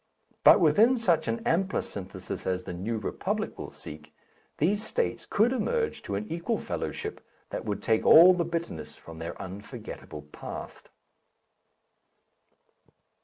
But within such an ampler synthesis as the New Republic will seek, these states could emerge to an equal fellowship that would take all the bitterness from their unforgettable past.